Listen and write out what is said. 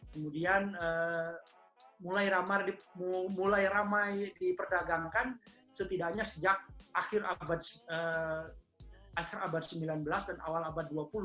kemudian mulai ramai diperdagangkan setidaknya sejak akhir abad sembilan belas dan awal abad dua puluh